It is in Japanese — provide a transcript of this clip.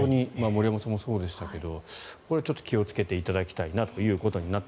森山さんもそうでしたけどちょっと気をつけていただきたいなと。